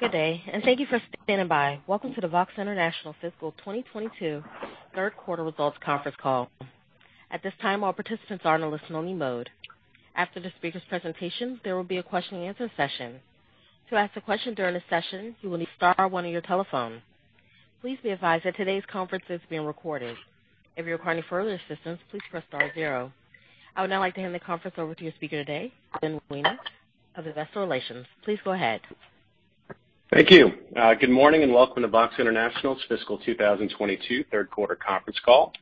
Good day, and thank you for standing by. Welcome to the VOXX International Fiscal 2022 third quarter results conference call. At this time, all participants are in a listen-only mode. After the speaker's presentation, there will be a question and answer session. To ask a question during the session, you will need to star one on your telephone. Please be advised that today's conference is being recorded. If you require any further assistance, please press star zero. I would now like to hand the conference over to your speaker today, Glenn Wiener of Investor Relations. Please go ahead. Thank you. Good morning and welcome to VOXX International's fiscal 2022 third quarter conference call.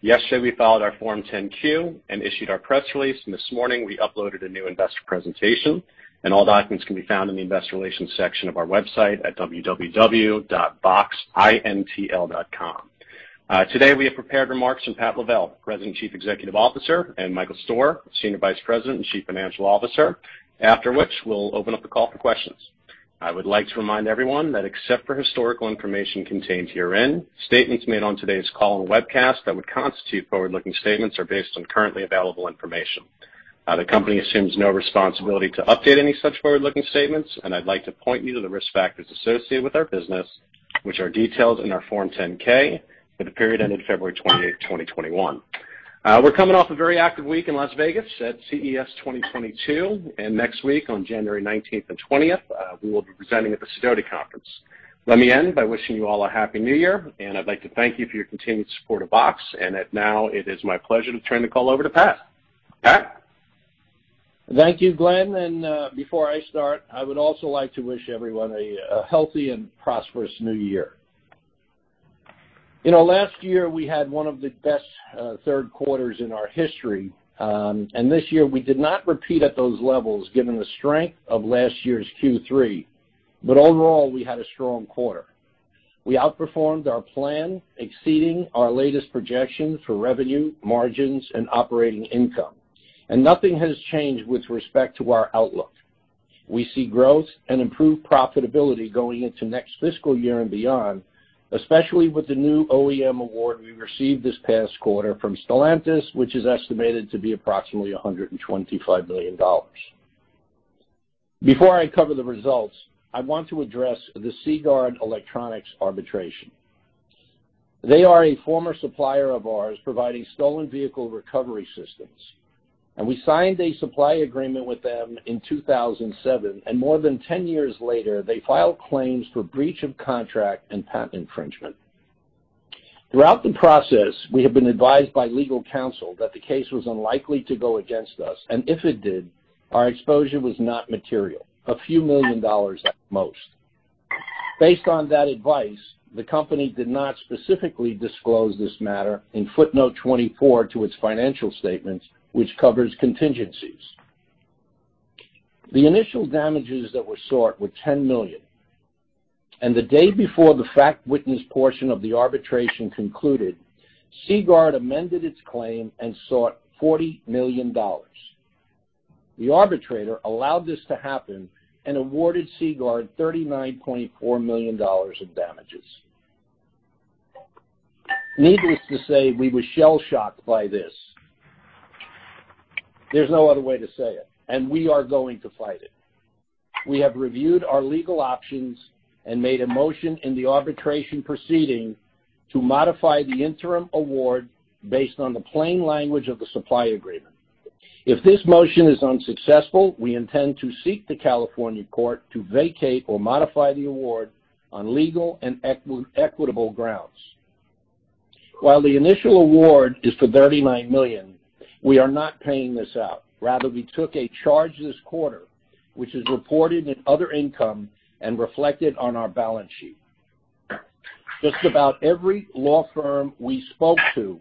Yesterday, we filed our Form 10-Q and issued our press release. This morning, we uploaded a new investor presentation, and all documents can be found in the investor relations section of our website at www.voxxintl.com. Today, we have prepared remarks from Pat Lavelle, President, Chief Executive Officer, and Michael Stoehr, Senior Vice President and Chief Financial Officer, after which we'll open up the call for questions. I would like to remind everyone that except for historical information contained herein, statements made on today's call and webcast that would constitute forward-looking statements are based on currently available information. The company assumes no responsibility to update any such forward-looking statements, and I'd like to point you to the risk factors associated with our business, which are detailed in our Form 10-K for the period ending February 28, 2021. We're coming off a very active week in Las Vegas at CES 2022, and next week, on January 19 and 20, we will be presenting at the Sidoti conference. Let me end by wishing you all a happy New Year, and I'd like to thank you for your continued support of VOXX. Now it is my pleasure to turn the call over to Pat. Pat? Thank you, Glenn. Before I start, I would also like to wish everyone a healthy and prosperous new year. You know, last year, we had one of the best third quarters in our history, and this year, we did not repeat at those levels given the strength of last year's Q3. Overall, we had a strong quarter. We outperformed our plan, exceeding our latest projections for revenue, margins, and operating income. Nothing has changed with respect to our outlook. We see growth and improved profitability going into next fiscal year and beyond, especially with the new OEM award we received this past quarter from Stellantis, which is estimated to be approximately $125 million. Before I cover the results, I want to address the Seaguard Electronics arbitration. They are a former supplier of ours providing stolen vehicle recovery systems. We signed a supply agreement with them in 2007, and more than 10 years later, they filed claims for breach of contract and patent infringement. Throughout the process, we have been advised by legal counsel that the case was unlikely to go against us, and if it did, our exposure was not material. A few million dollars at most. Based on that advice, the company did not specifically disclose this matter in footnote 24 to its financial statements, which covers contingencies. The initial damages that were sought were $10 million, and the day before the fact witness portion of the arbitration concluded, Seaguard amended its claim and sought $40 million. The arbitrator allowed this to happen and awarded Seaguard $39.4 million in damages. Needless to say, we were shell-shocked by this. There's no other way to say it, and we are going to fight it. We have reviewed our legal options and made a motion in the arbitration proceeding to modify the interim award based on the plain language of the supply agreement. If this motion is unsuccessful, we intend to seek to have the California court vacate or modify the award on legal and equitable grounds. While the initial award is for $39 million, we are not paying this out. Rather, we took a charge this quarter, which is reported in other income and reflected on our balance sheet. Just about every law firm we spoke to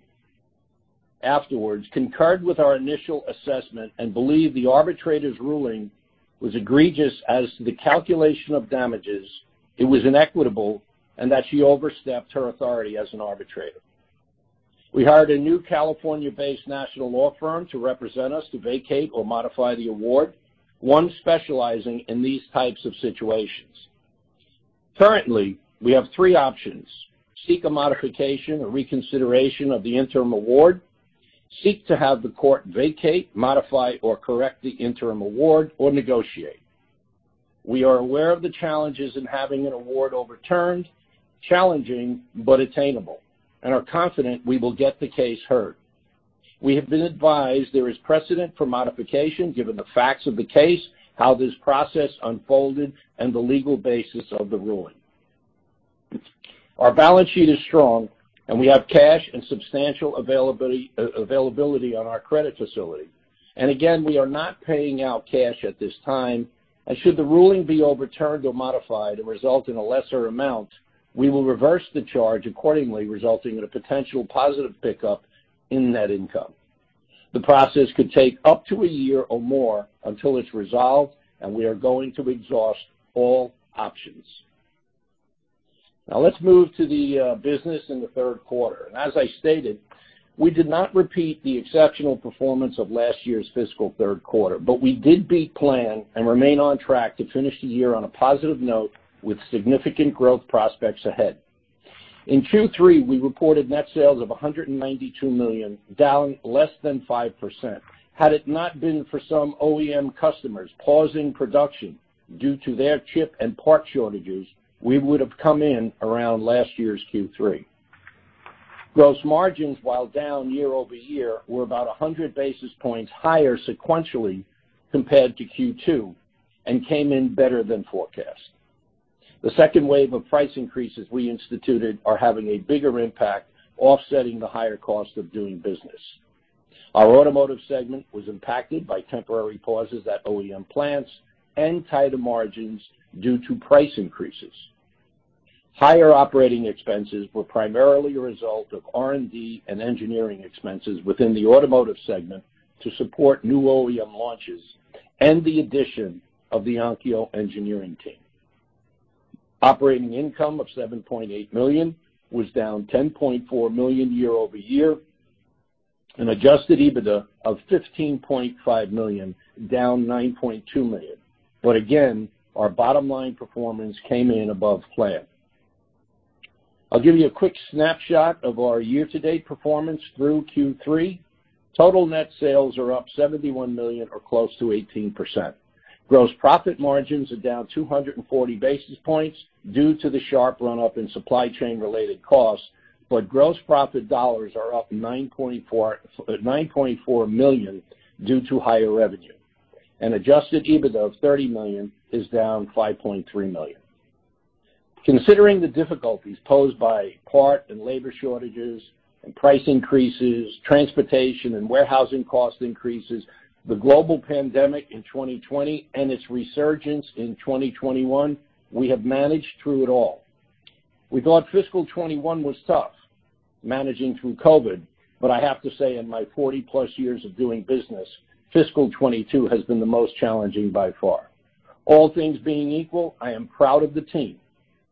afterwards concurred with our initial assessment and believed the arbitrator's ruling was egregious as to the calculation of damages, it was inequitable, and that she overstepped her authority as an arbitrator. We hired a new California-based national law firm to represent us to vacate or modify the award, one specializing in these types of situations. Currently, we have three options, seek a modification or reconsideration of the interim award, seek to have the court vacate, modify, or correct the interim award, or negotiate. We are aware of the challenges in having an award overturned, challenging but attainable, and are confident we will get the case heard. We have been advised there is precedent for modification given the facts of the case, how this process unfolded, and the legal basis of the ruling. Our balance sheet is strong, and we have cash and substantial availability on our credit facility. We are not paying out cash at this time. Should the ruling be overturned or modified and result in a lesser amount, we will reverse the charge accordingly, resulting in a potential positive pickup in net income. The process could take up to a year or more until it's resolved, and we are going to exhaust all options. Now, let's move to the business in the third quarter. As I stated, we did not repeat the exceptional performance of last year's fiscal third quarter, but we did beat plan and remain on track to finish the year on a positive note with significant growth prospects ahead. In Q3, we reported net sales of $192 million, down less than 5%. Had it not been for some OEM customers pausing production due to their chip and part shortages, we would have come in around last year's Q3. Gross margins, while down year-over-year, were about 100 basis points higher sequentially compared to Q2 and came in better than forecast. The second wave of price increases we instituted are having a bigger impact, offsetting the higher cost of doing business. Our automotive segment was impacted by temporary pauses at OEM plants and tighter margins due to price increases. Higher operating expenses were primarily a result of R&D and engineering expenses within the automotive segment to support new OEM launches and the addition of the Onkyo engineering team. Operating income of $7.8 million was down $10.4 million year-over-year, an adjusted EBITDA of $15.5 million, down $9.2 million. Again, our bottom-line performance came in above plan. I'll give you a quick snapshot of our year-to-date performance through Q3. Total net sales are up $71 million or close to 18%. Gross profit margins are down 240 basis points due to the sharp run-up in supply chain-related costs, but gross profit dollars are up $9.4 million due to higher revenue. An adjusted EBITDA of $30 million is down $5.3 million. Considering the difficulties posed by part and labor shortages and price increases, transportation and warehousing cost increases, the global pandemic in 2020 and its resurgence in 2021, we have managed through it all. We thought fiscal 2021 was tough, managing through COVID, but I have to say, in my 40+ years of doing business, fiscal 2022 has been the most challenging by far. All things being equal, I am proud of the team.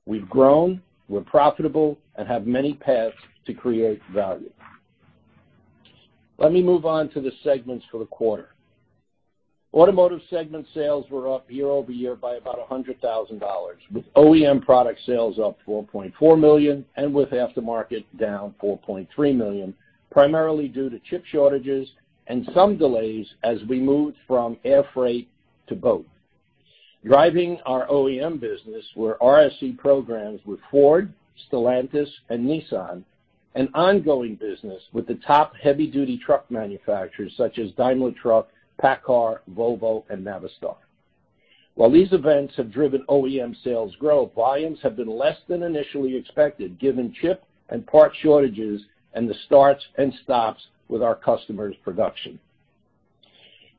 We've grown, we're profitable, and have many paths to create value. Let me move on to the segments for the quarter. Automotive segment sales were up year-over-year by about $100,000, with OEM product sales up $4.4 million and with aftermarket down $4.3 million, primarily due to chip shortages and some delays as we moved from air freight to boat. Driving our OEM business were RSE programs with Ford, Stellantis, and Nissan, an ongoing business with the top heavy-duty truck manufacturers such as Daimler Truck, PACCAR, Volvo, and Navistar. While these events have driven OEM sales growth, volumes have been less than initially expected, given chip and part shortages and the starts and stops with our customers' production.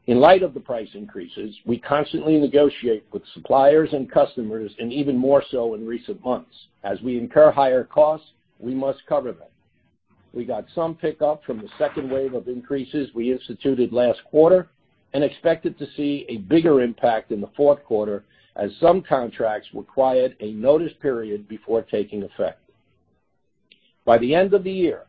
In light of the price increases, we constantly negotiate with suppliers and customers, and even more so in recent months. As we incur higher costs, we must cover them. We got some pickup from the second wave of increases we instituted last quarter and expected to see a bigger impact in the fourth quarter as some contracts required a notice period before taking effect. By the end of the year,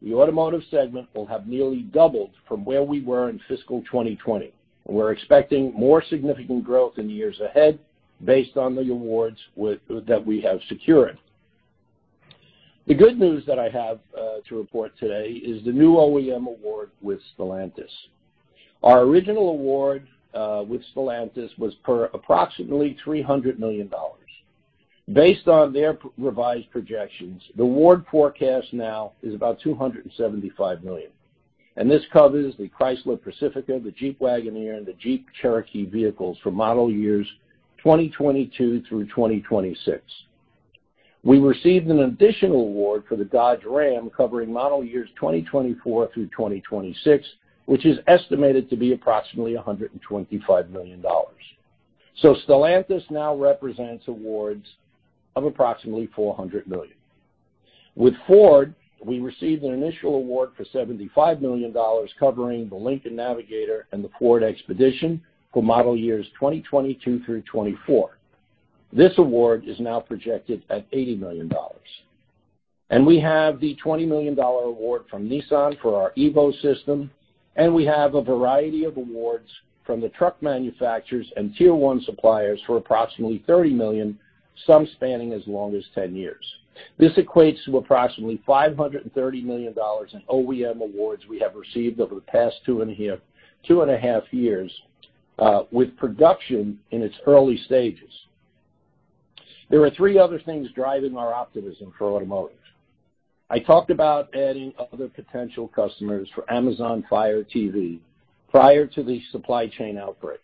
the Automotive segment will have nearly doubled from where we were in fiscal 2020, and we're expecting more significant growth in the years ahead based on the awards that we have secured. The good news that I have to report today is the new OEM award with Stellantis. Our original award with Stellantis was for approximately $300 million. Based on their revised projections, the award forecast now is about $275 million. This covers the Chrysler Pacifica, the Jeep Wagoneer, and the Jeep Cherokee vehicles for model years 2022 through 2026. We received an additional award for the Ram covering model years 2024 through 2026, which is estimated to be approximately $125 million. Stellantis now represents awards of approximately $400 million. With Ford, we received an initial award for $75 million covering the Lincoln Navigator and the Ford Expedition for model years 2022 through 2024. This award is now projected at $80 million. We have the $20 million award from Nissan for our EVO system, and we have a variety of awards from the truck manufacturers and tier one suppliers for approximately $30 million, some spanning as long as 10 years. This equates to approximately $530 million in OEM awards we have received over the past 2.5 years, with production in its early stages. There are three other things driving our optimism for automotive. I talked about adding other potential customers for Amazon Fire TV prior to the supply chain outbreak.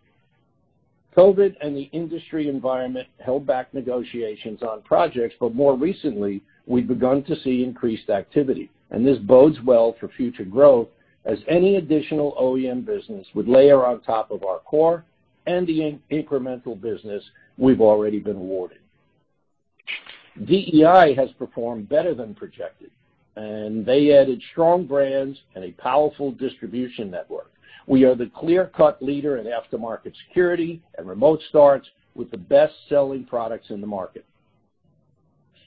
COVID and the industry environment held back negotiations on projects, but more recently, we've begun to see increased activity, and this bodes well for future growth as any additional OEM business would layer on top of our core and the incremental business we've already been awarded. DEI has performed better than projected, and they added strong brands and a powerful distribution network. We are the clear-cut leader in aftermarket security and remote starts with the best-selling products in the market.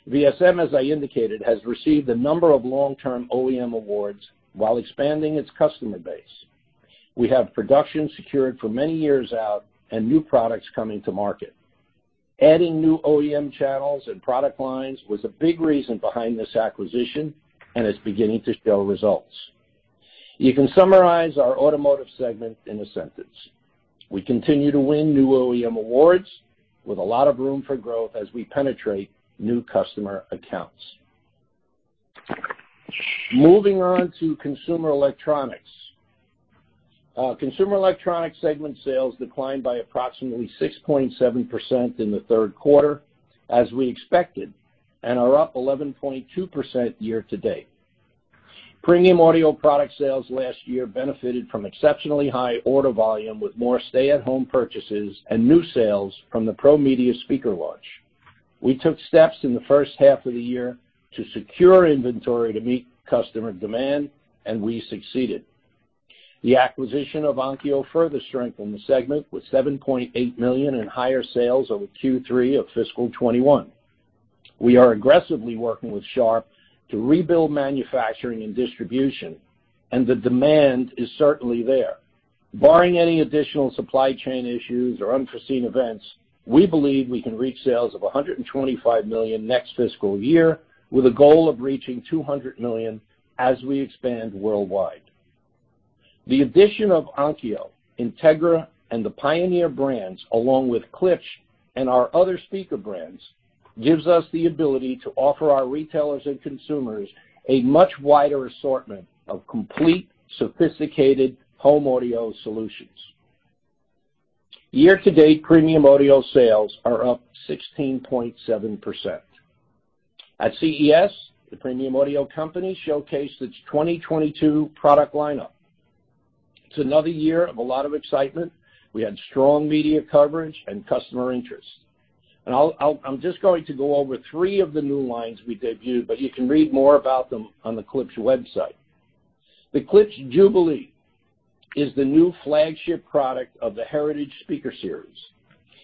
VSM, as I indicated, has received a number of long-term OEM awards while expanding its customer base. We have production secured for many years out and new products coming to market. Adding new OEM channels and product lines was a big reason behind this acquisition, and it's beginning to show results. You can summarize our Automotive segment in a sentence. We continue to win new OEM awards with a lot of room for growth as we penetrate new customer accounts. Moving on to consumer electronics. Our Consumer Electronics segment sales declined by approximately 6.7% in the third quarter, as we expected, and are up 11.2% year-to-date. Premium audio product sales last year benefited from exceptionally high order volume with more stay-at-home purchases and new sales from the ProMedia speaker launch. We took steps in the first half of the year to secure inventory to meet customer demand, and we succeeded. The acquisition of Onkyo further strengthened the segment with $7.8 million in higher sales over Q3 of fiscal 2021. We are aggressively working with Sharp to rebuild manufacturing and distribution, and the demand is certainly there. Barring any additional supply chain issues or unforeseen events, we believe we can reach sales of $125 million next fiscal year with a goal of reaching $200 million as we expand worldwide. The addition of Onkyo, Integra, and the Pioneer brands, along with Klipsch and our other speaker brands, gives us the ability to offer our retailers and consumers a much wider assortment of complete, sophisticated home audio solutions. Year-to-date premium audio sales are up 16.7%. At CES, the Premium Audio Company showcased its 2022 product lineup. It's another year of a lot of excitement. We had strong media coverage and customer interest. I'm just going to go over three of the new lines we debuted, but you can read more about them on the Klipsch website. The Klipsch Jubilee is the new flagship product of the Heritage Series.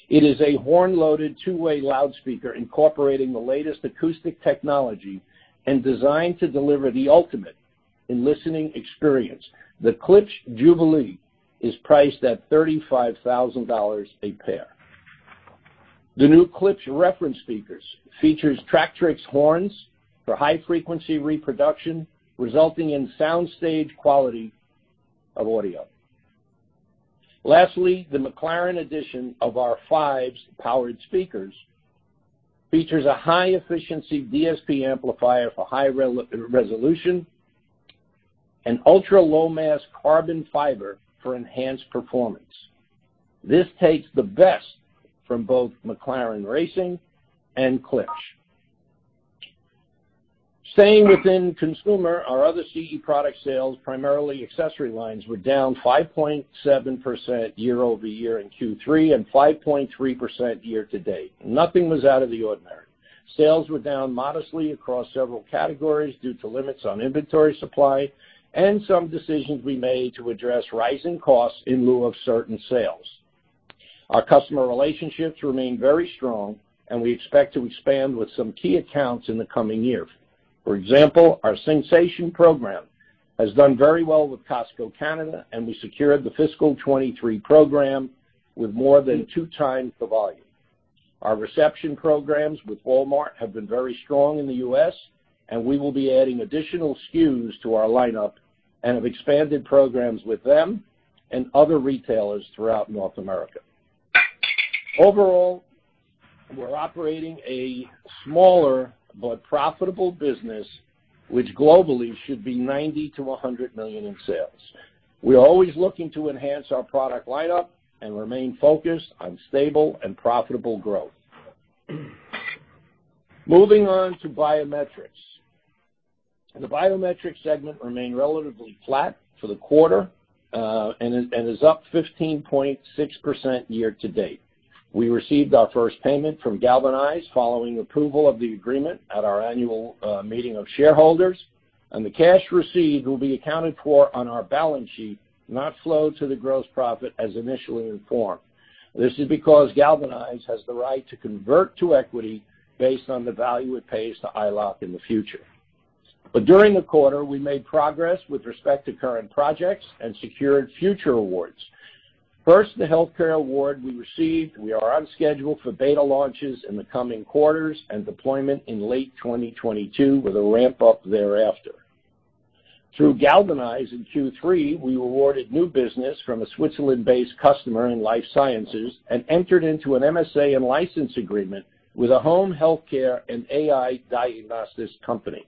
It is a horn-loaded two-way loudspeaker incorporating the latest acoustic technology and designed to deliver the ultimate in listening experience. The Klipsch Jubilee is priced at $35,000 a pair. The new Klipsch Reference speakers features Tractrix horns for high frequency reproduction, resulting in soundstage quality of audio. Lastly, the McLaren edition of our Fives powered speakers features a high-efficiency DSP amplifier for high-resolution and ultra-low mass carbon fiber for enhanced performance. This takes the best from both McLaren racing and Klipsch. Staying within consumer, our other CE product sales, primarily accessory lines, were down 5.7% year-over-year in Q3 and 5.3% year to date. Nothing was out of the ordinary. Sales were down modestly across several categories due to limits on inventory supply and some decisions we made to address rising costs in lieu of certain sales. Our customer relationships remain very strong and we expect to expand with some key accounts in the coming year. For example, our Sensation program has done very well with Costco Canada, and we secured the fiscal 2023 program with more than two times the volume. Our reception programs with Walmart have been very strong in the U.S., and we will be adding additional SKUs to our lineup and have expanded programs with them and other retailers throughout North America. Overall, we're operating a smaller but profitable business which globally should be $90 million-$100 million in sales. We are always looking to enhance our product lineup and remain focused on stable and profitable growth. Moving on to biometrics. The biometrics segment remained relatively flat for the quarter, and is up 15.6% year to date. We received our first payment from GalvanEyes following approval of the agreement at our annual meeting of shareholders, and the cash received will be accounted for on our balance sheet, not flow to the gross profit as initially informed. This is because GalvanEyes has the right to convert to equity based on the value it pays to EyeLock in the future. During the quarter, we made progress with respect to current projects and secured future awards. First, the healthcare award we received, we are on schedule for beta launches in the coming quarters and deployment in late 2022, with a ramp up thereafter. Through GalvanEyes in Q3, we were awarded new business from a Switzerland-based customer in life sciences and entered into an MSA and license agreement with a home healthcare and AI diagnostics company.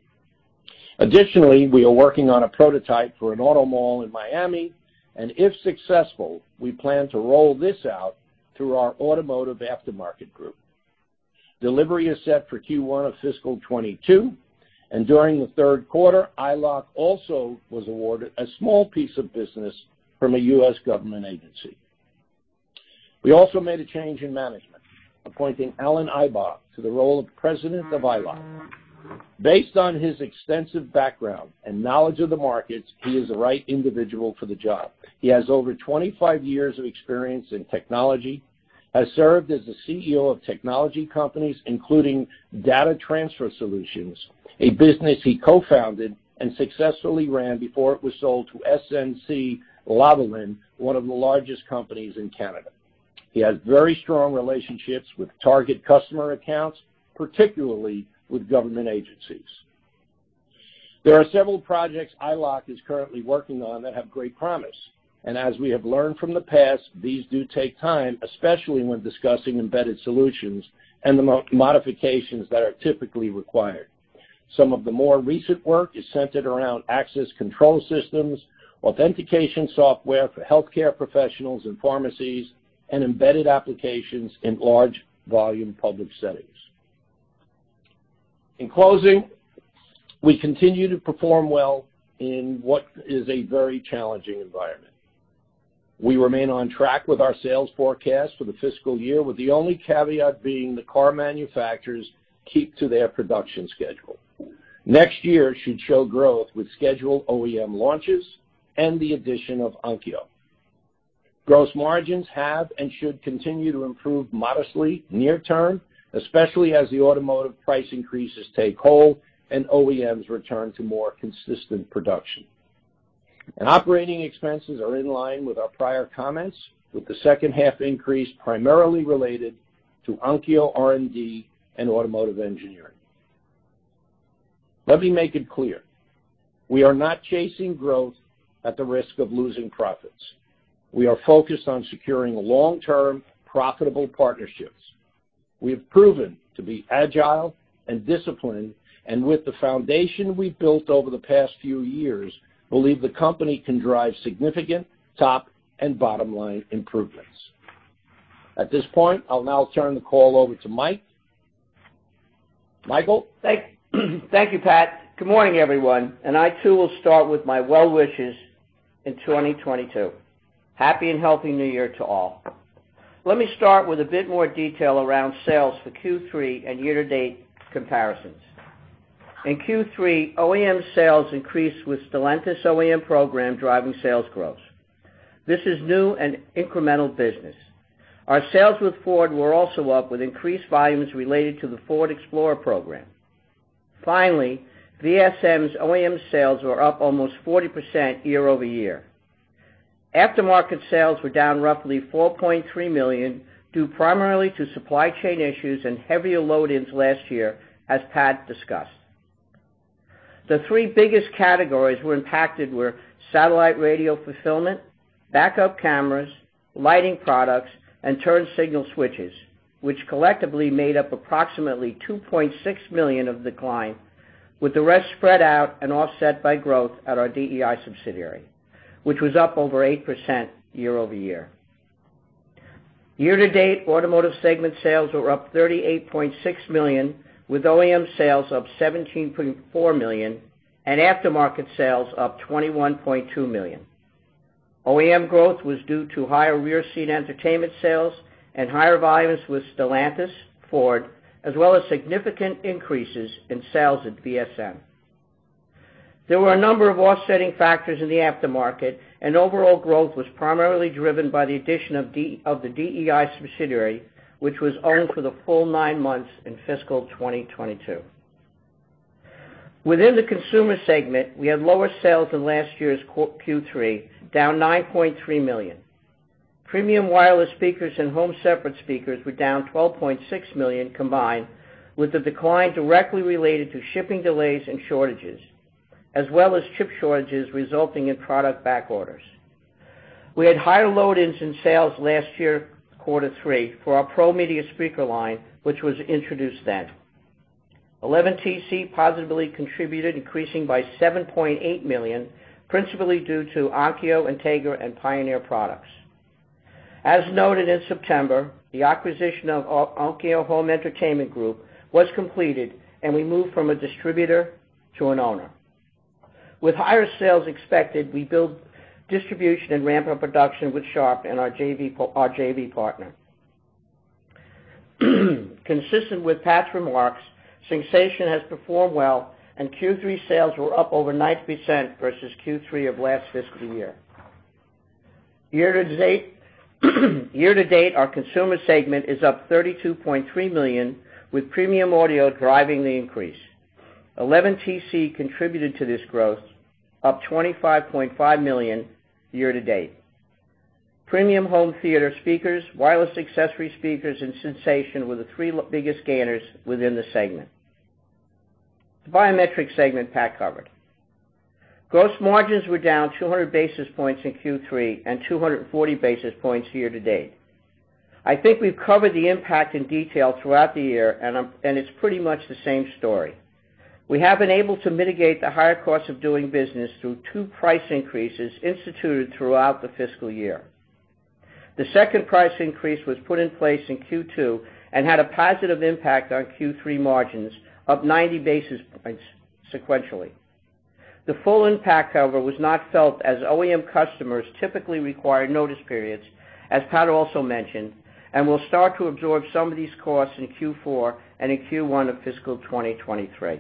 Additionally, we are working on a prototype for an auto mall in Miami, and if successful, we plan to roll this out through our automotive aftermarket group. Delivery is set for Q1 of fiscal 2022, and during the third quarter, EyeLock also was awarded a small piece of business from a U.S. government agency. We also made a change in management, appointing Allenn Eiber to the role of President of EyeLock. Based on his extensive background and knowledge of the markets, he is the right individual for the job. He has over 25 years of experience in technology. He has served as the CEO of technology companies, including Data Transfer Solutions, a business he co-founded and successfully ran before it was sold to SNC-Lavalin, one of the largest companies in Canada. He has very strong relationships with target customer accounts, particularly with government agencies. There are several projects EyeLock is currently working on that have great promise, and as we have learned from the past, these do take time, especially when discussing embedded solutions and the modifications that are typically required. Some of the more recent work is centered around access control systems, authentication software for healthcare professionals and pharmacies, and embedded applications in large volume public settings. In closing, we continue to perform well in what is a very challenging environment. We remain on track with our sales forecast for the fiscal year, with the only caveat being the car manufacturers keep to their production schedule. Next year should show growth with scheduled OEM launches and the addition of Onkyo. Gross margins have and should continue to improve modestly near term, especially as the automotive price increases take hold and OEMs return to more consistent production. Operating expenses are in line with our prior comments, with the second half increase primarily related to Onkyo R&D and automotive engineering. Let me make it clear, we are not chasing growth at the risk of losing profits. We are focused on securing long-term profitable partnerships. We have proven to be agile and disciplined, and with the foundation we've built over the past few years, believe the company can drive significant top and bottom-line improvements. At this point, I'll now turn the call over to Mike. Michael? Thank you, Pat. Good morning, everyone, and I too will start with my well wishes in 2022. Happy and healthy new year to all. Let me start with a bit more detail around sales for Q3 and year-to-date comparisons. In Q3, OEM sales increased with Stellantis OEM program driving sales growth. This is new and incremental business. Our sales with Ford were also up with increased volumes related to the Ford Explorer program. Finally, VSM's OEM sales were up almost 40% year-over-year. Aftermarket sales were down roughly $4.3 million, due primarily to supply chain issues and heavier load-ins last year, as Pat discussed. The three biggest categories that were impacted were satellite radio fulfillment, backup cameras, lighting products, and turn signal switches, which collectively made up approximately $2.6 million of the decline, with the rest spread out and offset by growth at our DEI subsidiary, which was up over 8% year-over-year. Year-to-date, automotive segment sales were up $38.6 million, with OEM sales up $17.4 million and aftermarket sales up $21.2 million. OEM growth was due to higher rear seat entertainment sales and higher volumes with Stellantis, Ford, as well as significant increases in sales at VSM. There were a number of offsetting factors in the aftermarket, and overall growth was primarily driven by the addition of the DEI subsidiary, which was owned for the full nine months in fiscal 2022. Within the consumer segment, we had lower sales than last year's Q3, down $9.3 million. Premium wireless speakers and home separate speakers were down $12.6 million combined, with the decline directly related to shipping delays and shortages, as well as chip shortages resulting in product back orders. We had higher load-ins in sales last year, quarter three, for our ProMedia speaker line, which was introduced then. 11TC positively contributed, increasing by $7.8 million, principally due to Onkyo, Integra, and Pioneer products. As noted in September, the acquisition of Onkyo Home Entertainment Corporation was completed, and we moved from a distributor to an owner. With higher sales expected, we built distribution and ramped up production with Sharp and our JV partner. Consistent with Pat's remarks, Singsation has performed well, and Q3 sales were up over 9% versus Q3 of last fiscal year. Year to date, our consumer segment is up $32.3 million, with premium audio driving the increase. 11TC contributed to this growth, up $25.5 million year to date. Premium home theater speakers, wireless accessory speakers, and Singsation were the three biggest gainers within the segment. The biometrics segment Pat covered. Gross margins were down 200 basis points in Q3 and 240 basis points year to date. I think we've covered the impact in detail throughout the year, and it's pretty much the same story. We have been able to mitigate the higher costs of doing business through two price increases instituted throughout the fiscal year. The second price increase was put in place in Q2 and had a positive impact on Q3 margins, up 90 basis points sequentially. The full impact, however, was not felt, as OEM customers typically require notice periods, as Pat also mentioned, and will start to absorb some of these costs in Q4 and in Q1 of fiscal 2023.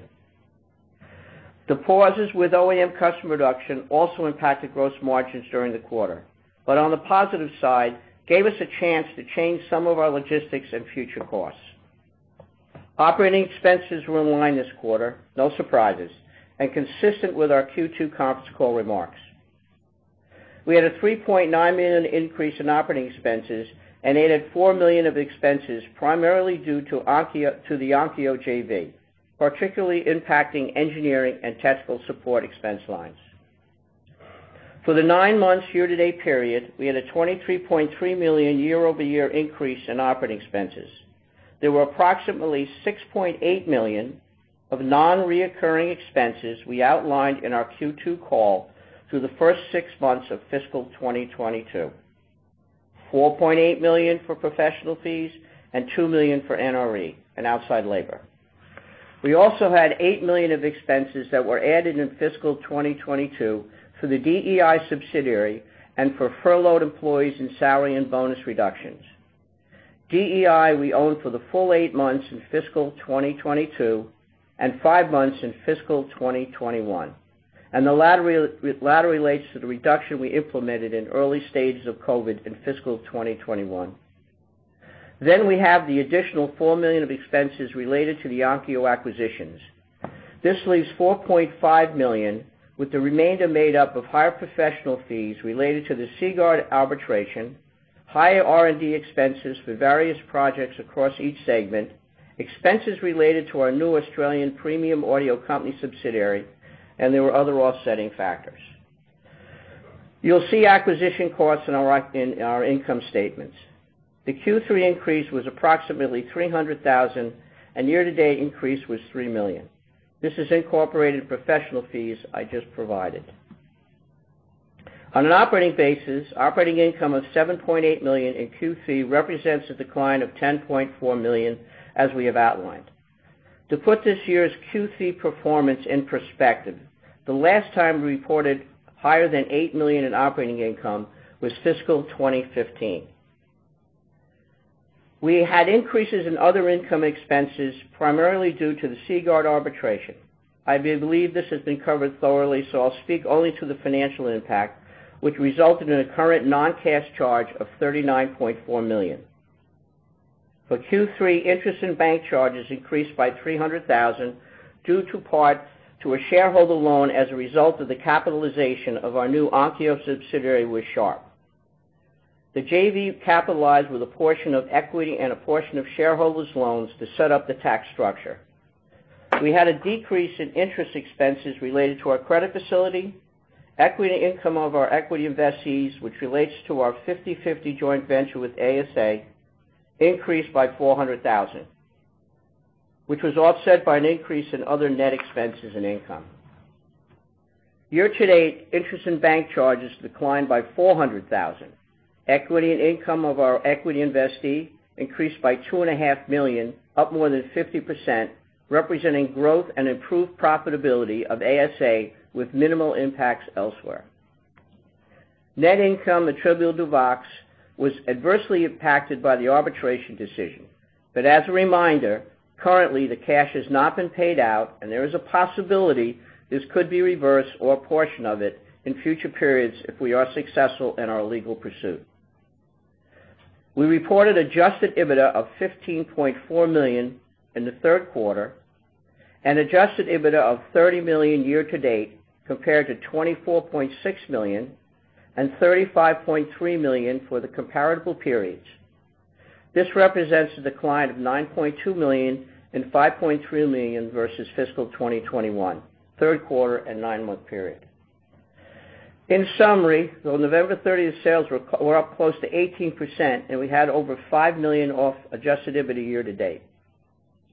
The pauses with OEM customer reduction also impacted gross margins during the quarter, but on the positive side, gave us a chance to change some of our logistics and future costs. Operating expenses were in line this quarter, no surprises, and consistent with our Q2 comps call remarks. We had a $3.9 million increase in operating expenses and added $4 million of expenses primarily due to Onkyo to the Onkyo JV, particularly impacting engineering and technical support expense lines. For the 9 months year-to-date period, we had a $23.3 million year-over-year increase in operating expenses. There were approximately $6.8 million of non-recurring expenses we outlined in our Q2 call through the first six months of fiscal 2022. $4.8 million for professional fees and $2 million for NRE and outside labor. We also had $8 million of expenses that were added in fiscal 2022 for the DEI subsidiary and for furloughed employees in salary and bonus reductions. DEI we owned for the full 8 months in fiscal 2022 and five months in fiscal 2021, and the latter relates to the reduction we implemented in early stages of COVID in fiscal 2021. We have the additional $4 million of expenses related to the Onkyo acquisitions. This leaves $4.5 million with the remainder made up of higher professional fees related to the Seaguard arbitration, higher R&D expenses for various projects across each segment, expenses related to our new Australian premium audio company subsidiary, and there were other offsetting factors. You'll see acquisition costs in our income statements. The Q3 increase was approximately $300,000, and year-to-date increase was $3 million. This has incorporated professional fees I just provided. On an operating basis, operating income of $7.8 million in Q3 represents a decline of $10.4 million as we have outlined. To put this year's Q3 performance in perspective, the last time we reported higher than $8 million in operating income was fiscal 2015. We had increases in other income expenses, primarily due to the Seaguard arbitration. I believe this has been covered thoroughly, so I'll speak only to the financial impact, which resulted in a current non-cash charge of $39.4 million. For Q3, interest and bank charges increased by $300,000 due in part to a shareholder loan as a result of the capitalization of our new Onkyo subsidiary with Sharp. The JV capitalized with a portion of equity and a portion of shareholders' loans to set up the tax structure. We had a decrease in interest expenses related to our credit facility. Equity income of our equity investees, which relates to our 50/50 joint venture with ASA, increased by $400,000, which was offset by an increase in other net expenses and income. Year to date, interest and bank charges declined by $400,000. Equity and income of our equity investee increased by $two and a half million, up more than 50%, representing growth and improved profitability of ASA with minimal impacts elsewhere. Net income attributable to VOXX was adversely impacted by the arbitration decision. As a reminder, currently the cash has not been paid out and there is a possibility this could be reversed or a portion of it in future periods if we are successful in our legal pursuit. We reported adjusted EBITDA of $15.4 million in the third quarter and adjusted EBITDA of $30 million year to date compared to $24.6 million and $35.3 million for the comparable periods. This represents a decline of $9.2 million and $5.3 million versus fiscal 2021 third quarter and nine-month period. In summary, though November 30th sales were up close to 18% and we had over $5 million of adjusted EBITDA year to date,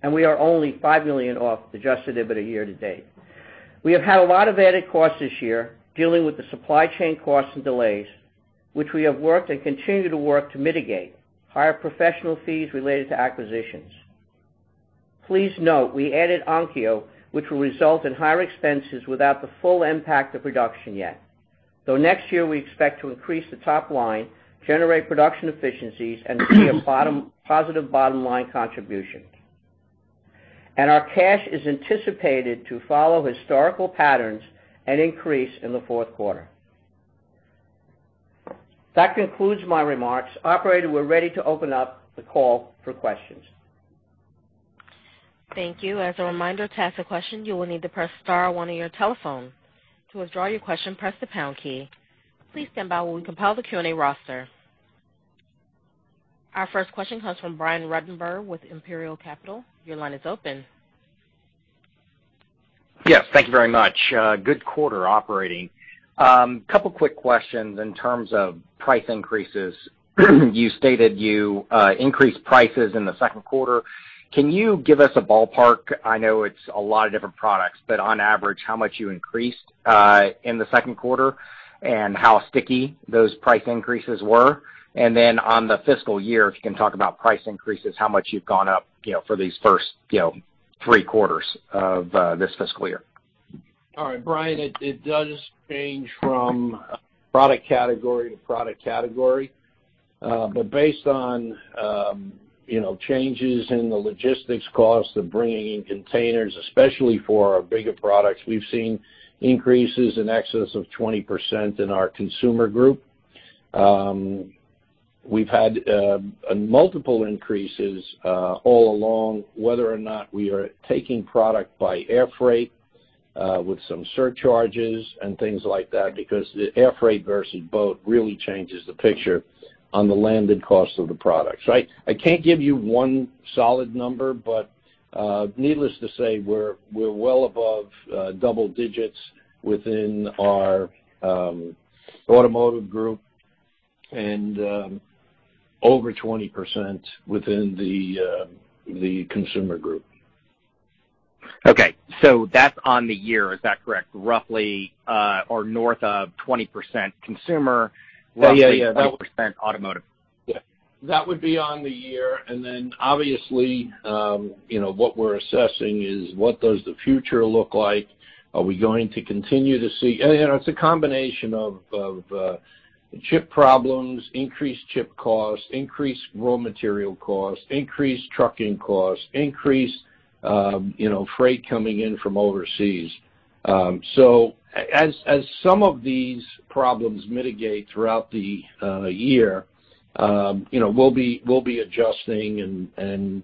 and we are only $5 million off adjusted EBITDA year to date. We have had a lot of added costs this year dealing with the supply chain costs and delays, which we have worked and continue to work to mitigate, higher professional fees related to acquisitions. Please note we added Onkyo, which will result in higher expenses without the full impact of reduction yet. Though next year we expect to increase the top line, generate production efficiencies, and see a positive bottom line contribution. Our cash is anticipated to follow historical patterns and increase in the fourth quarter. That concludes my remarks. Operator, we're ready to open up the call for questions. Thank you. As a reminder, to ask a question, you will need to press star one on your telephone. To withdraw your question, press the pound key. Please stand by while we compile the Q&A roster. Our first question comes from Brian Ruttenbur with Imperial Capital. Your line is open. Yes, thank you very much. Good quarter operating. Couple quick questions in terms of price increases. You stated you increased prices in the second quarter. Can you give us a ballpark? I know it's a lot of different products, but on average, how much you increased in the second quarter and how sticky those price increases were? On the fiscal year, if you can talk about price increases, how much you've gone up, you know, for these first three quarters of this fiscal year. All right, Brian, it does change from product category to product category. Based on, you know, changes in the logistics cost of bringing in containers, especially for our bigger products, we've seen increases in excess of 20% in our consumer group. We've had multiple increases all along, whether or not we are taking product by air freight, with some surcharges and things like that, because the air freight versus boat really changes the picture on the landed cost of the products, right? I can't give you one solid number, but needless to say, we're well above double digits within our automotive group and over 20% within the consumer group. Okay. That's on the year, is that correct? Roughly, or north of 20% consumer- Yeah, yeah.... roughly 20% automotive. Yeah. That would be on the year. Obviously, you know, what we're assessing is what does the future look like? Are we going to continue to see? You know, it's a combination of chip problems, increased chip costs, increased raw material costs, increased trucking costs, increased you know, freight coming in from overseas. As some of these problems mitigate throughout the year, you know, we'll be adjusting and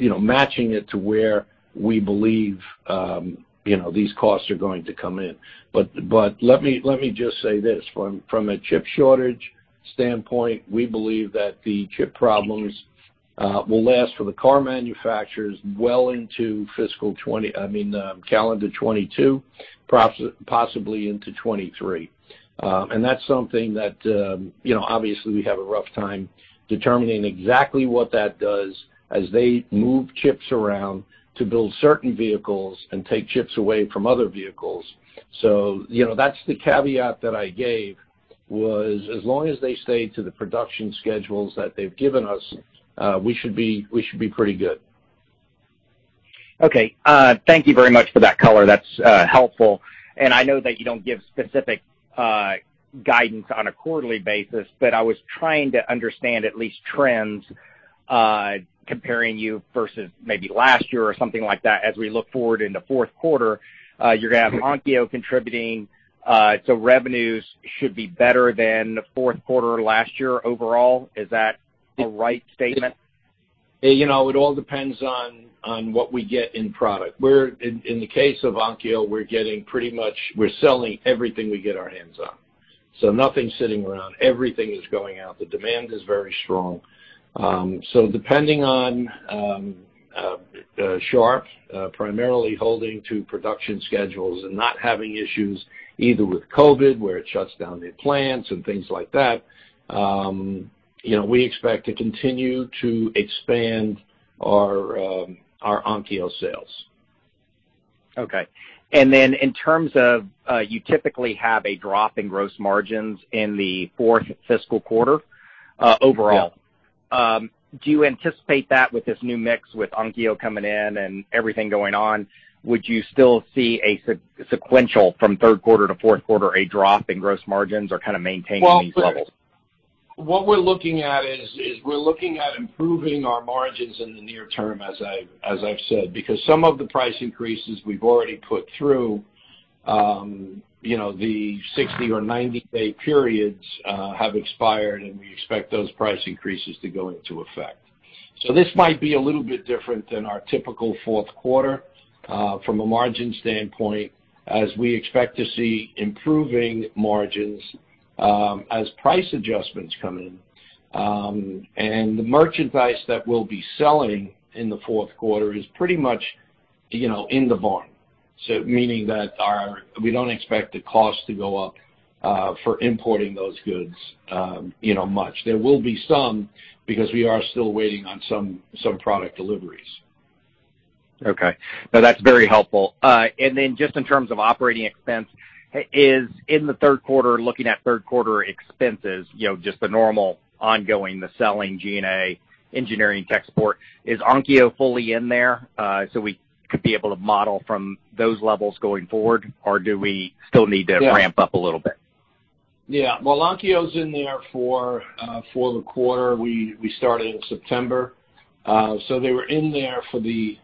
you know, matching it to where we believe you know, these costs are going to come in. Let me just say this, from a chip shortage standpoint, we believe that the chip problems will last for the car manufacturers well into, I mean, calendar 2022, possibly into 2023. That's something that, you know, obviously we have a rough time determining exactly what that does as they move chips around to build certain vehicles and take chips away from other vehicles. You know, that's the caveat that I gave, was as long as they stay to the production schedules that they've given us, we should be pretty good. Okay. Thank you very much for that color. That's helpful. I know that you don't give specific guidance on a quarterly basis, but I was trying to understand at least trends, comparing you versus maybe last year or something like that. As we look forward in the fourth quarter, you're gonna have Onkyo contributing, so revenues should be better than the fourth quarter last year overall. Is that the right statement? You know, it all depends on what we get in product. In the case of Onkyo, we're selling everything we get our hands on. Nothing's sitting around, everything is going out. The demand is very strong. Depending on Sharp primarily holding to production schedules and not having issues either with COVID, where it shuts down their plants and things like that, you know, we expect to continue to expand our Onkyo sales. Okay. In terms of, you typically have a drop in gross margins in the fourth fiscal quarter, overall. Yeah. Do you anticipate that with this new mix, with Onkyo coming in and everything going on, would you still see a sequential from third quarter to fourth quarter, a drop in gross margins or kind of maintaining these levels? Well, what we're looking at is we're looking at improving our margins in the near term, as I've said, because some of the price increases we've already put through, you know, the 60 or 90-day periods, have expired, and we expect those price increases to go into effect. This might be a little bit different than our typical fourth quarter, from a margin standpoint, as we expect to see improving margins, as price adjustments come in. The merchandise that we'll be selling in the fourth quarter is pretty much, you know, in the barn. Meaning that we don't expect the cost to go up, for importing those goods, you know, much. There will be some because we are still waiting on some product deliveries. Okay. No, that's very helpful. Just in terms of operating expenses in the third quarter, looking at third quarter expenses, you know, just the normal ongoing, the selling G&A, engineering, tech support, is Onkyo fully in there, so we could be able to model from those levels going forward? Or do we still need to- Yeah ramp up a little bit? Yeah. Well, Onkyo's in there for the quarter. We started in September. So they were in there for the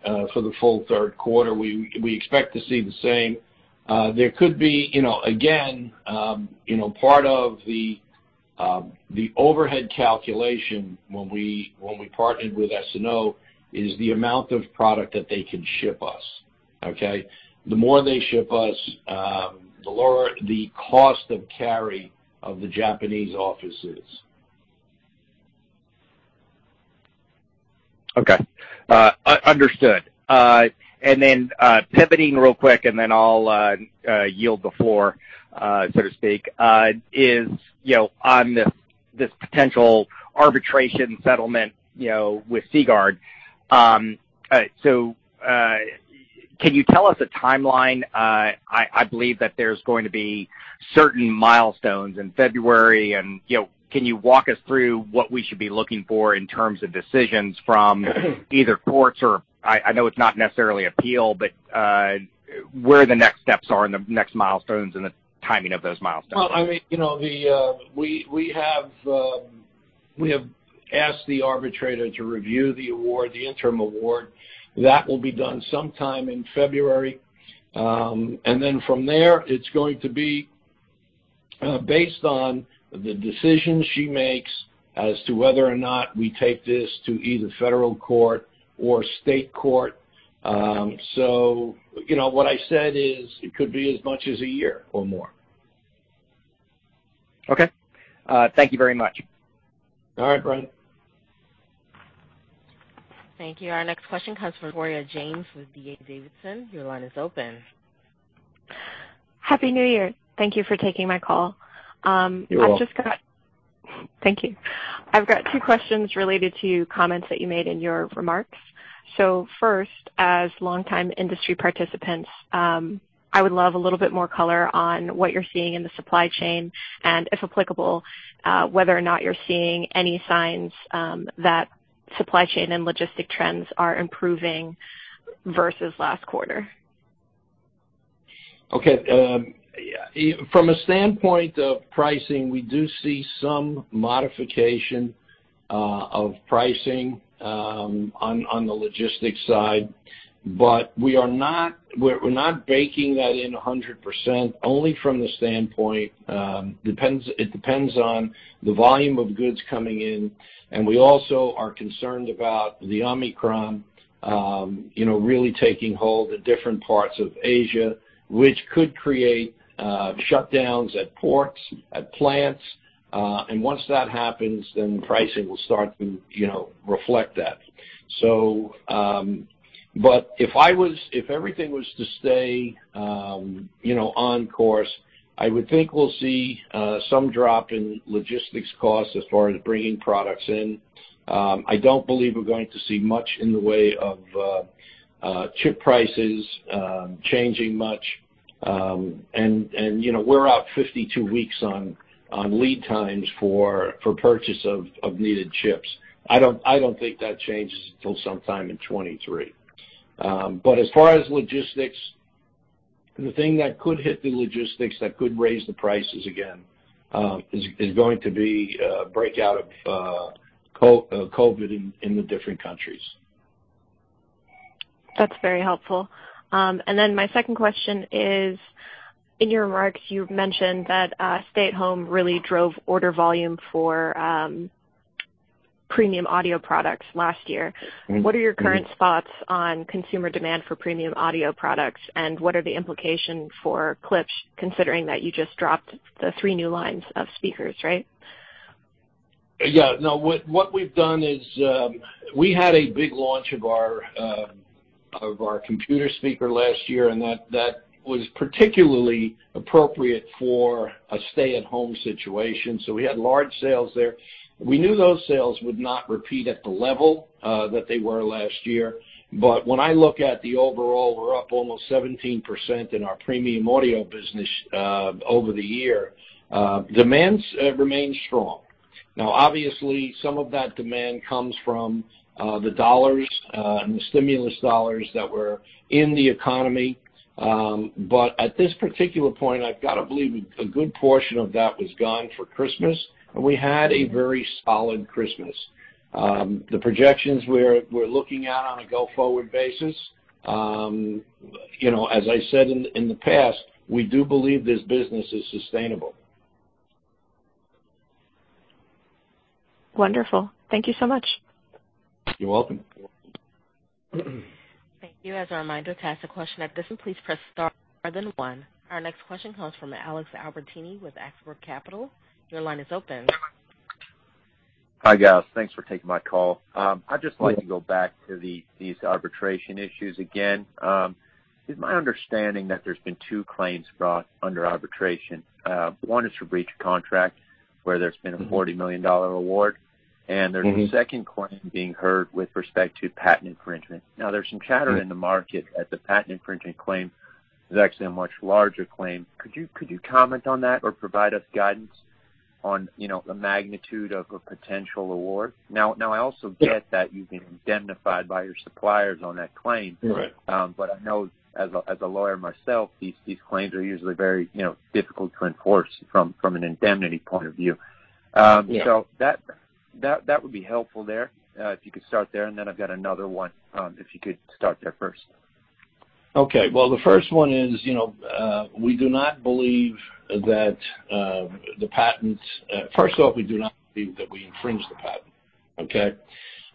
full third quarter. We expect to see the same. There could be, you know, again, you know, part of the overhead calculation when we partnered with S&O is the amount of product that they can ship us, okay? The more they ship us, the lower the cost of carry of the Japanese offices. Okay. Understood. Pivoting real quick, and then I'll yield the floor, so to speak, you know, on this potential arbitration settlement, you know, with Seaguard. So, can you tell us a timeline? I believe that there's going to be certain milestones in February and, you know, can you walk us through what we should be looking for in terms of decisions from either courts or, I know it's not necessarily appeal, but, where the next steps are and the next milestones and the timing of those milestones. Well, I mean, you know, we have asked the arbitrator to review the award, the interim award. That will be done sometime in February. From there, it's going to be based on the decision she makes as to whether or not we take this to either federal court or state court. You know, what I said is it could be as much as a year or more. Okay. Thank you very much. All right. Bye. Thank you. Our next question comes from Victoria James with D.A. Davidson. Your line is open. Happy New Year. Thank you for taking my call. I've just got. You're welcome. Thank you. I've got two questions related to comments that you made in your remarks. First, as longtime industry participants, I would love a little bit more color on what you're seeing in the supply chain, and if applicable, whether or not you're seeing any signs that supply chain and logistic trends are improving versus last quarter. Okay. From a standpoint of pricing, we do see some modification of pricing on the logistics side. But we're not baking that in 100%, only from the standpoint it depends on the volume of goods coming in. We also are concerned about the Omicron, you know, really taking hold in different parts of Asia, which could create shutdowns at ports, at plants, and once that happens, then pricing will start to, you know, reflect that. But if everything was to stay, you know, on course, I would think we'll see some drop in logistics costs as far as bringing products in. I don't believe we're going to see much in the way of chip prices changing much. You know, we're out 52 weeks on lead times for purchase of needed chips. I don't think that changes till sometime in 2023. As far as logistics, the thing that could hit the logistics, that could raise the prices again, is going to be a breakout of COVID in the different countries. That's very helpful. My second question is, in your remarks, you mentioned that stay-at-home really drove order volume for premium audio products last year. Mm-hmm. What are your current thoughts on consumer demand for premium audio products, and what are the implications for Klipsch, considering that you just dropped the three new lines of speakers, right? Yeah. No, what we've done is we had a big launch of our computer speaker last year, and that was particularly appropriate for a stay-at-home situation, so we had large sales there. We knew those sales would not repeat at the level that they were last year. But when I look at the overall, we're up almost 17% in our premium audio business over the year. Demands remain strong. Now, obviously, some of that demand comes from the dollars and the stimulus dollars that were in the economy. But at this particular point, I've got to believe a good portion of that was gone for Christmas, and we had a very solid Christmas. The projections we're looking at on a go-forward basis, you know, as I said in the past, we do believe this business is sustainable. Wonderful. Thank you so much. You're welcome. Thank you. As a reminder, to ask a question at this time, please press star then one. Our next question comes from Alex Albertini with Axebrook Capital. Your line is open. Hi, guys. Thanks for taking my call. I'd just like to go back to these arbitration issues again. It's my understanding that there's been two claims brought under arbitration. One is for breach of contract, where there's been a $40 million award. Mm-hmm. There's a second claim being heard with respect to patent infringement. Now, there's some chatter in the market that the patent infringement claim is actually a much larger claim. Could you comment on that or provide us guidance on, you know, the magnitude of a potential award? Now I also get that you've been indemnified by your suppliers on that claim. Right. I know as a lawyer myself, these claims are usually very, you know, difficult to enforce from an indemnity point of view. That would be helpful there, if you could start there, and then I've got another one, if you could start there first. Okay. Well, the first one is, you know, first off, we do not believe that we infringed the patent.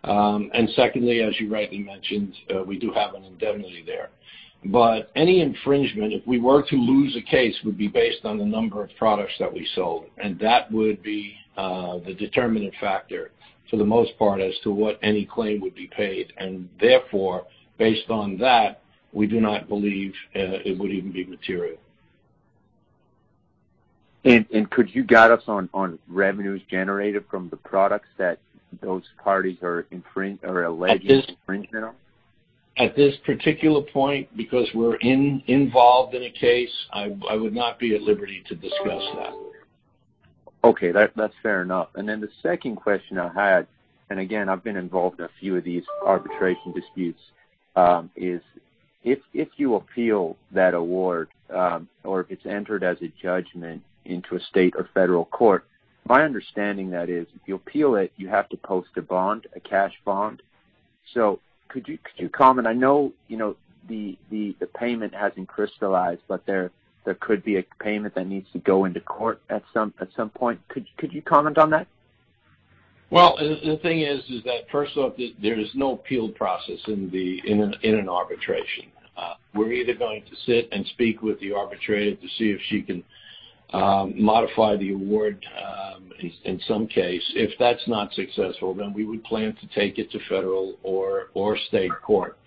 Okay. Secondly, as you rightly mentioned, we do have an indemnity there. Any infringement, if we were to lose a case, would be based on the number of products that we sold, and that would be the determining factor for the most part as to what any claim would be paid. Therefore, based on that, we do not believe it would even be material. Could you guide us on revenues generated from the products that those parties are infringing or alleged infringement on? At this particular point, because we're involved in a case, I would not be at liberty to discuss that. Okay. That's fair enough. The second question I had. Again, I've been involved in a few of these arbitration disputes, is if you appeal that award, or if it's entered as a judgment into a state or federal court. My understanding is that if you appeal it, you have to post a bond, a cash bond. Could you comment? I know, you know, the payment hasn't crystallized, but there could be a payment that needs to go into court at some point. Could you comment on that? Well, the thing is that first off, there is no appeal process in an arbitration. We're either going to sit and speak with the arbitrator to see if she can modify the award in some case. If that's not successful, then we would plan to take it to federal or state court.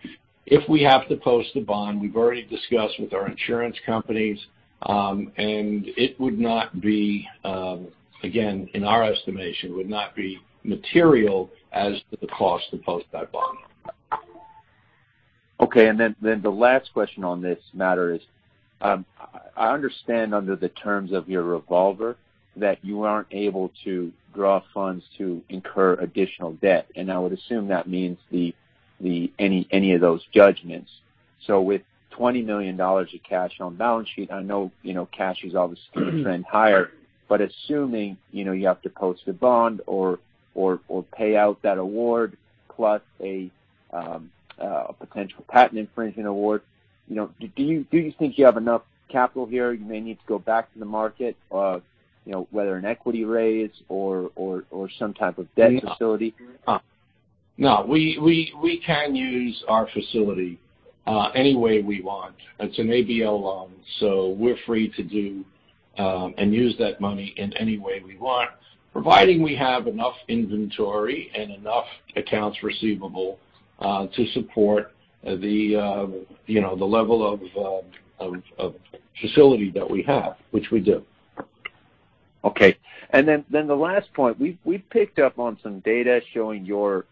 If we have to post a bond, we've already discussed with our insurance companies, and it would not be, again, in our estimation, would not be material as to the cost to post that bond. Okay. The last question on this matter is, I understand under the terms of your revolver that you aren't able to draw funds to incur additional debt. I would assume that means any of those judgments. With $20 million of cash on balance sheet, I know, you know, cash is obviously gonna trend higher, but assuming, you know, you have to post a bond or pay out that award, plus a potential patent infringement award, you know, do you think you have enough capital here? You may need to go back to the market, you know, whether an equity raise or some type of debt facility. No. We can use our facility any way we want. It's an ABL loan, so we're free to do and use that money in any way we want, providing we have enough inventory and enough accounts receivable to support you know, the level of facility that we have, which we do. Okay. Then the last point, we've picked up on some data showing your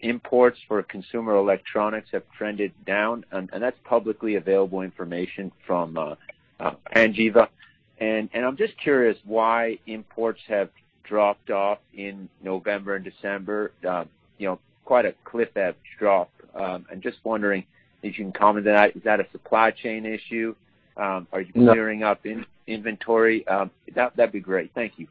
imports for consumer electronics have trended down, and that's publicly available information from Panjiva. I'm just curious why imports have dropped off in November and December. You know, quite a cliff-edge drop. I'm just wondering if you can comment on that. Is that a supply chain issue? Are you clearing up in inventory? That'd be great. Thank you.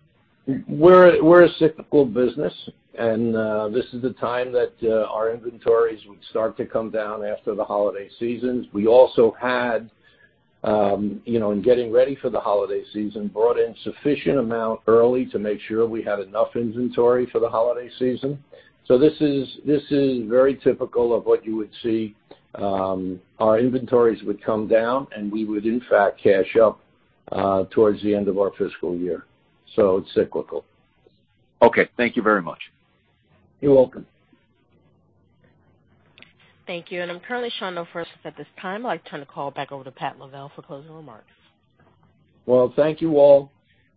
We're a cyclical business, and this is the time that our inventories would start to come down after the holiday seasons. We also had, you know, in getting ready for the holiday season, brought in sufficient amount early to make sure we had enough inventory for the holiday season. This is very typical of what you would see, our inventories would come down, and we would, in fact, cash up towards the end of our fiscal year. It's cyclical. Okay. Thank you very much. You're welcome. Thank you. I'm currently showing no further questions at this time. I'd like to turn the call back over to Pat Lavelle for closing remarks. Well, thank you, all.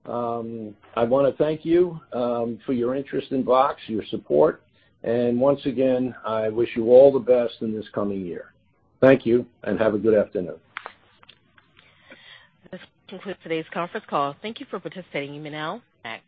I wanna thank you for your interest in VOOX, your support, and once again, I wish you all the best in this coming year. Thank you, and have a good afternoon. This concludes today's conference call. Thank you for participating. You may now disconnect.